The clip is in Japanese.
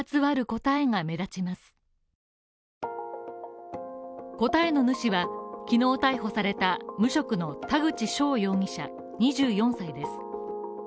答えの主はきのう逮捕された無職の田口翔容疑者２４歳です